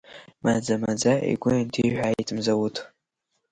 Маӡа-маӡа игәы инҭиҳәааит Мзауҭ.